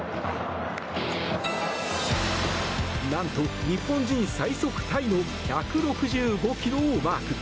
なんと、日本人最速タイの１６５ｋｍをマーク。